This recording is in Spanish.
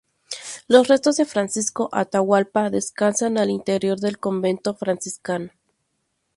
Los restos de Francisco Atahualpa descansan al interior del convento franciscano.